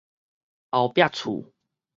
後壁厝